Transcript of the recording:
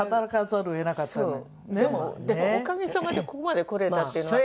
でもおかげさまでここまでこれたっていうのは。